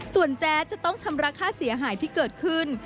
ส่วนแจ๊ดจะต้องชำระค่าเสียหายที่เกิดขึ้น